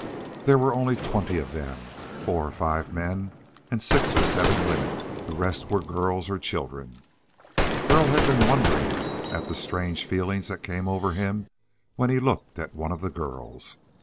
There were only twenty of them; four or five men and six or seven women. The rest were girls or children. Burl had been wondering at the strange feelings that came over him when he looked at one of the girls.